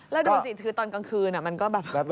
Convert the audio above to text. แล้วดูสิคือตอนกลางคืนมันก็แบบ